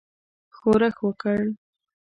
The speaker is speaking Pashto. ښورښ وکړ.